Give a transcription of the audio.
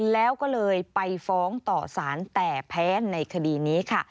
แล้วก็เลยไปฟ้องต่อสารแต่แพ้ในคดีนี้ค่ะ